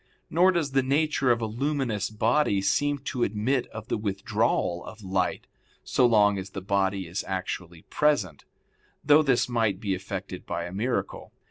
Nor does the nature of a luminous body seem to admit of the withdrawal of light, so long as the body is actually present; though this might be effected by a miracle.